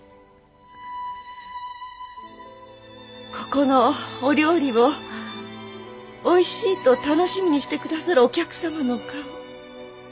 ここのお料理をおいしいと楽しみにして下さるお客様の顔。